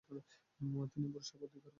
তিনি বুরসা অধিকার করে।